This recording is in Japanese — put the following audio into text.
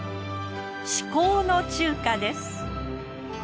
至高の中華です。